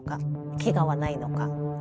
ケガはないのか。